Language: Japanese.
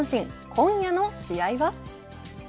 今夜の試合は。